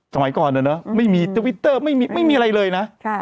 สมัยก่อนนะไม่มีทวิตเตอร์ไม่มีอะไรเลยนะ